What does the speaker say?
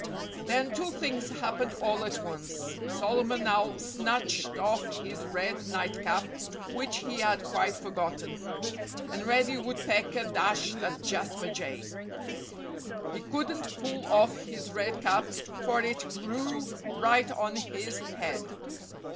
Then two things happened all at once. Solomon Owl snatched off his red night cap—which he had quite forgotten. And Reddy Woodpecker dashed at Jasper Jay. He couldn't pull off his red cap, for it grew right on his head.